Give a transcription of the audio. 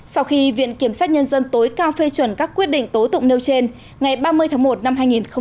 sau khi viện kiểm sát nhân dân tối cao phê chuẩn các quyết định tố tụng nêu trên ngày ba mươi tháng một năm hai nghìn hai mươi